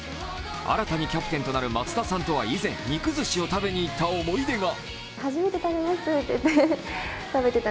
新たにキャプテンとなる松田さんとは以前、肉ずしを食べに行った思い出が。